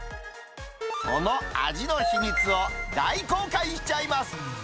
その味の秘密を、大公開しちゃいます。